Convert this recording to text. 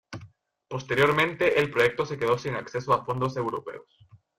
Posteriormente el proyecto se quedó sin acceso a fondos europeos.